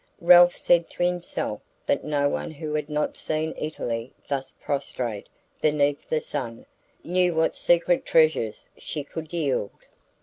Ralph said to himself that no one who had not seen Italy thus prostrate beneath the sun knew what secret treasures she could yield.